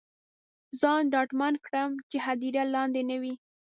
ځان ډاډمن کړم چې هدیره لاندې نه وي.